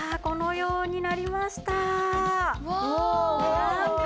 このようになりました。